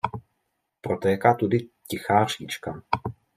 Protéká tudy Tichá říčka.